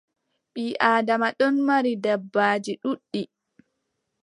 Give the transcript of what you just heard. Ɓii Aadama ɗon mari dabbaaji ɗuuɗɗi.